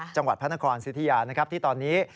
จังหวัดพระนครสิทธิยานะครับที่ตอนนี้